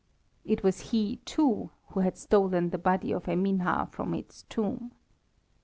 It was he, too, who had stolen the body of Eminha from its tomb.